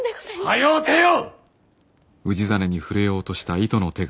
早う出よ！